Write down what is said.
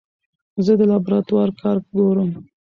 زه د لابراتوار کار ګورم.